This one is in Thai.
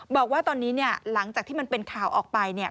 บอกว่าตอนนี้เนี่ยหลังจากที่มันเป็นข่าวออกไปเนี่ย